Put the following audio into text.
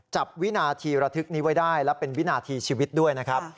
วินาทีระทึกนี้ไว้ได้และเป็นวินาทีชีวิตด้วยนะครับ